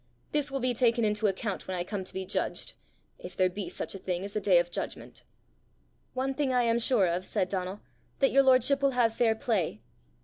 This will be taken into account when I come to be judged if there be such a thing as a day of judgment." "One thing I am sure of," said Donal, "that your lordship will have fair play.